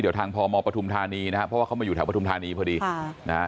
เดี๋ยวทางพมปฐุมธานีนะครับเพราะว่าเขามาอยู่แถวปฐุมธานีพอดีค่ะนะฮะ